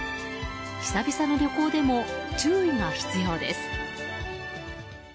久々の旅行でも注意が必要です。